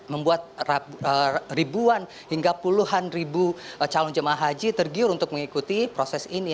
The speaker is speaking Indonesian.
membuat ribuan hingga puluhan ribu calon jemaah haji tergiur untuk mengikuti proses ini